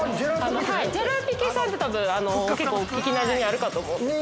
ジェラピケさんって結構聞きなじみあるかと思うんですけど。